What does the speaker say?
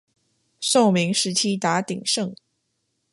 宋明时期达鼎盛。